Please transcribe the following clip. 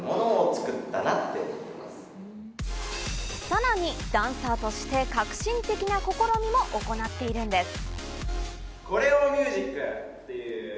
さらにダンサーとして革新的な試みも行っているんです。